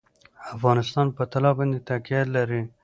افغانستان په طلا باندې تکیه لري.